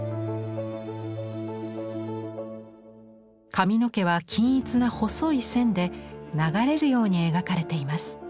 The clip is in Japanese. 髪の毛は均一な細い線で流れるように描かれています。